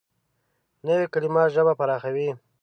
نوې کلیمه ژبه پراخوي